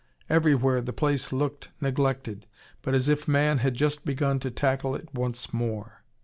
Everywhere the place looked neglected but as if man had just begun to tackle it once more.